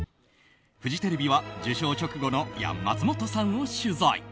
フジテレビは受賞直後の松本さんを取材。